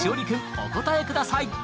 君お答えください